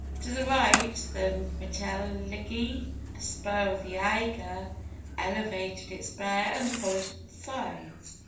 To the right, the Mittelegi, a spur of the Eiger, elevated its bare and polished sides.